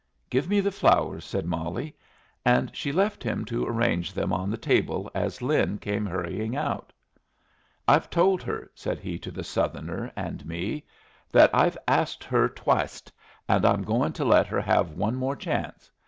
"Give me the flowers," said Molly. And she left him to arrange them on the table as Lin came hurrying out. "I've told her," said he to the Southerner and me, "that I've asked her twiced, and I'm going to let her have one more chance.